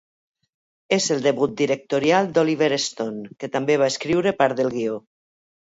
És el debut directorial d'Oliver Stone, que també va escriure part del guió.